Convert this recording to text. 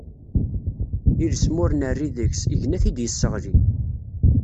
Iles, ma ur nerri deg-s, igenni ad t-id-yesseɣli.